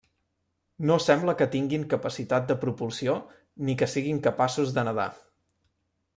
No sembla que tinguin capacitat de propulsió ni que siguin capaços de nedar.